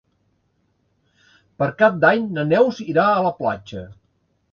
Per Cap d'Any na Neus irà a la platja.